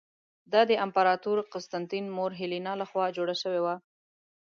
دا د امپراتور قسطنطین مور هیلینا له خوا جوړه شوې وه.